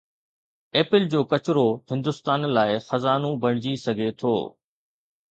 Apple جو ڪچرو هندستان لاءِ خزانو بڻجي سگهي ٿو